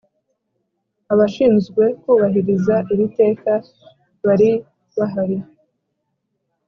Abashinzwekubahiriza iri teka bari bahari